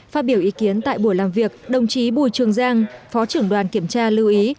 phát biểu ý kiến tại buổi làm việc đồng chí bùi trường giang phó trưởng đoàn kiểm tra lưu ý